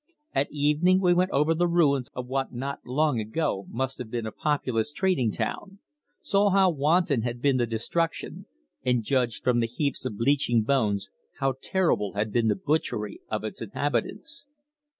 At evening we went over the ruins of what not long ago must have been a populous trading town, saw how wanton had been the destruction, and judged from the heaps of bleaching bones how terrible had been the butchery of its inhabitants.